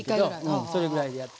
それぐらいでやって。